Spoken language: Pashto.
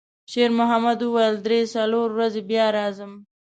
شېرمحمد وویل: «درې، څلور ورځې بیا راځم.»